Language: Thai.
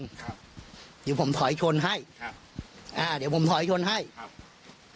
ครับเดี๋ยวผมถอยชนให้ครับอ่าเดี๋ยวผมถอยชนให้ครับ